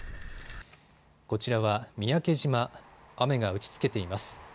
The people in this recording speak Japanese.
こちらは三宅島、雨が打ちつけています。